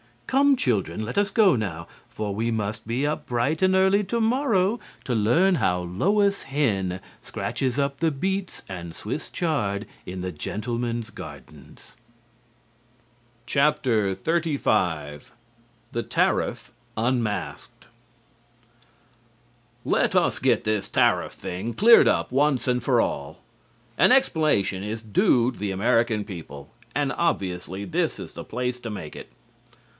Come, children, let us go now, for we must be up bright and early to morrow to learn how Lois Hen scratches up the beets and Swiss chard in the gentlemen's gardens." XXXV THE TARIFF UNMASKED Let us get this tariff thing cleared up, once and for all. An explanation is due the American people, and obviously this is the place to make it.